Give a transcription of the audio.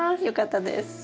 よかったです。